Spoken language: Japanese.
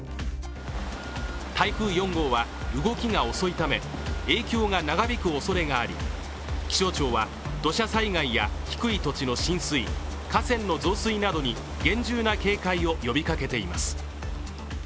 台風４号は動きが遅いため影響が長引くおそれがあり気象庁は、土砂災害や低い土地の浸水、河川の増水などに厳重な警戒を呼びかけています。